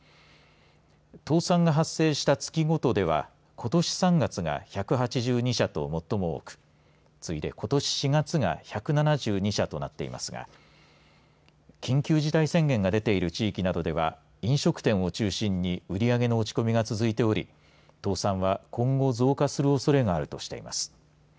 倒産が発生した月ごとではことし３月が１８２社と最も多く次いで、ことし４月が１７２社となっていますが緊急事態宣言が出ている地域などでは飲食店を中心に売り上げの落ち込みが続いており倒産は今後、増加するおそれがあるとしています。